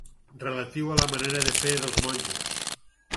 Relatiu a la manera de fer dels monjos.